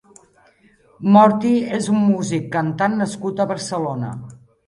Morti és un músic, cantant nascut a Barcelona.